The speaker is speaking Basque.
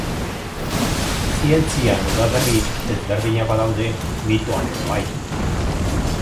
Zientzian udaberri ezberdinak badaude, mitoan ere bai.